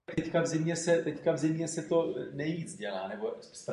I ona byla a nadále je využívána jen pro přepravu nákladů.